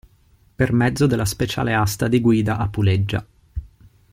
Per mezzo della speciale asta di guida a puleggia.